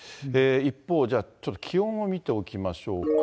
一方、じゃあ、ちょっと気温を見ておきましょうか。